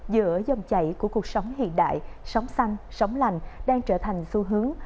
giữa dòng chảy của cuộc sống hiện đại sống xanh sống lành đang trở thành xu hướng